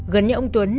gần như ông tuấn